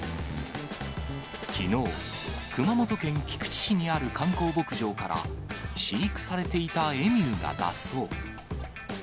きのう、熊本県菊池市にある観光牧場から、飼育されていたエミューが脱走。